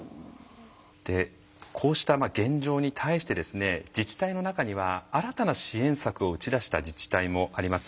でこうした現状に対してですね自治体の中には新たな支援策を打ち出した自治体もあります。